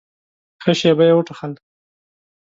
ښه شېبه يې وټوخل.